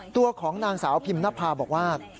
ตัวของนางสาวพิมนภาบอกว่า